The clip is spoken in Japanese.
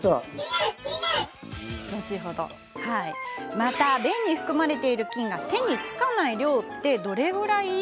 また、便に含まれている菌が手につかない量ってどれぐらい？